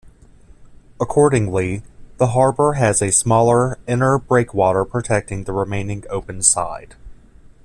Accordingly, the harbour has a smaller inner breakwater protecting the remaining open side.